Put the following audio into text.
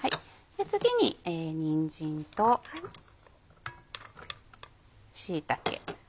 次ににんじんと椎茸。